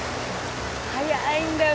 早いんだよ。